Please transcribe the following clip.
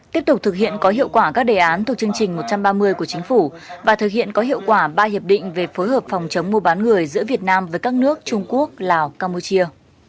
tiếp tục thực hiện có hiệu quả các đề án thuộc chương trình một trăm ba mươi của chính phủ và thực hiện có hiệu quả ba hiệp định về phối hợp phòng chống mua bán người giữa việt nam với các nước trung quốc lào campuchia